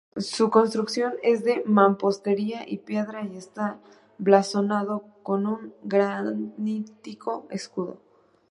Su construcción es de mampostería y piedra y está blasonado con un granítico escudo.